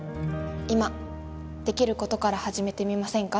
今できることから始めてみませんか？